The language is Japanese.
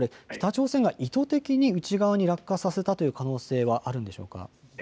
北朝鮮が意図的に内側に落下させた可能性はあるんでしょうか。